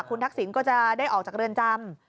คุณทักษิณก็จะได้ออกจากเรือนจำ